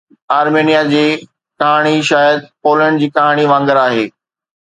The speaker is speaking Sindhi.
آرمينيا جي ڪهاڻي شايد پولينڊ جي ڪهاڻي وانگر آهي